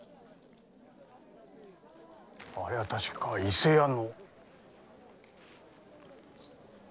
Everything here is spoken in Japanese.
あれは確か伊勢屋の。